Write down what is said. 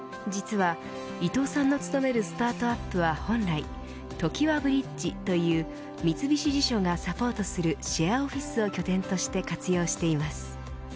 実は伊藤さんの勤めるスタートアップは本来ＴＯＫＩＷＡブリッジという三菱地所がサポートするシェアオフィスを拠点として活用しています。